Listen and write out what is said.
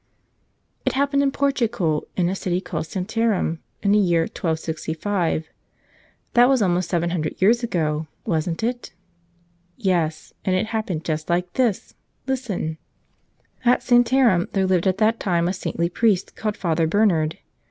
It happened in Portugal, in a city called Santarem, in the year 1265. That was almost seven hundred years ago, wasn't it? Yes; and it happened just like this. Listen. At Santarem there lived at that time a saintly priest called Father Bernard.